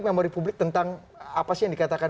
memori publik tentang apa sih yang dikatakan